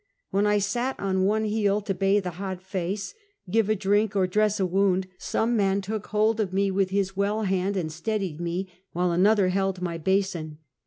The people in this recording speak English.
When I sat on one heel to bathe a hot face, give a drink or dress a wound, some man took hold of me with his well hand and steadied me, while another held my basin.